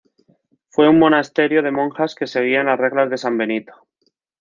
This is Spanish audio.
Fue un monasterio de monjas que seguían las reglas de San Benito.